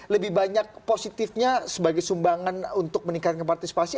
lebih banyak positifnya sebagai sumbangan untuk meningkatkan partisipasi